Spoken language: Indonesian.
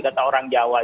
kata orang jawa